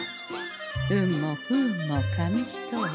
運も不運も紙一重。